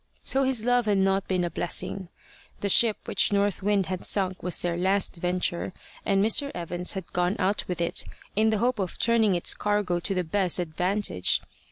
So his love had not been a blessing. The ship which North Wind had sunk was their last venture, and Mr. Evans had gone out with it in the hope of turning its cargo to the best advantage.